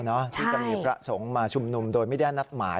ที่จะมีพระสงฆ์มาชุมนุมโดยไม่ได้นัดหมาย